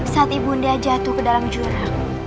saat ibu unda jatuh ke dalam jurang